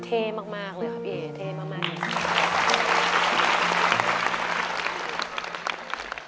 เท่มากเลยครับพี่เอ๋เท่มากเลย